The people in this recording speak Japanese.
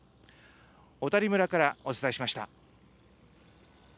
小谷村からお伝えしました。